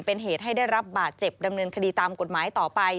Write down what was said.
เป็นเหตุให้ได้รับบาดเจ็บดำเนินคดีตามกฎหมายต่อไป